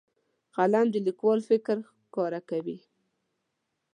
قلم د لیکوال فکر ښکاره کوي.